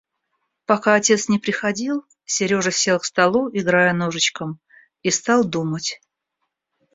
Пока отец не приходил, Сережа сел к столу, играя ножичком, и стал думать.